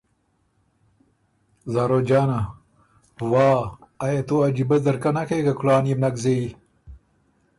زاروجانه: واه آ يې تُو عجیبۀ ځرکۀ نکې که کُلان يې بو نک زېيي۔